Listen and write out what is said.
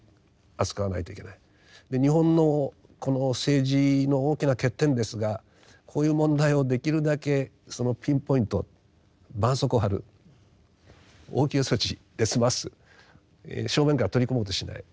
で日本のこの政治の大きな欠点ですがこういう問題をできるだけピンポイントばんそうこうを貼る応急措置で済ます正面から取り組もうとしない